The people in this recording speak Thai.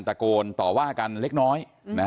ตะโกนต่อว่ากันเล็กน้อย